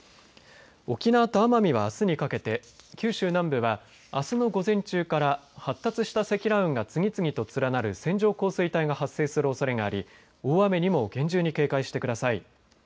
沖縄と奄美はあすにかけて九州南部は、あすの午前中から発達した積乱雲が次々と連なる線状降水帯が発生するおそれがあり大雨にも厳重に警戒してください。